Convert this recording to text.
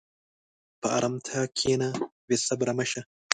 په ارامتیا کښېنه، بېصبره مه شه.